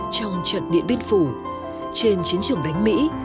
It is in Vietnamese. trong trận điện biết phủ trên chiến trường đánh mỹ